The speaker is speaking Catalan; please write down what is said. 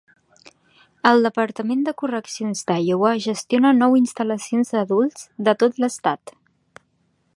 El Departament de Correccions d'Iowa gestiona nou instal·lacions d'adults de tot l'estat.